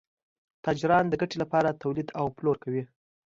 تاجران د ګټې لپاره تولید او پلور کوي.